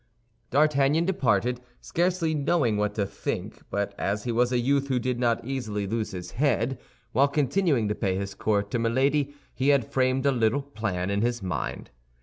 D'Artagnan departed, scarcely knowing what to think, but as he was a youth who did not easily lose his head, while continuing to pay his court to Milady, he had framed a little plan in his mind.